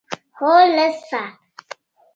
هو، لږ شیان